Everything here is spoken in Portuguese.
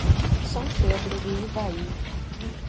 São Pedro do Ivaí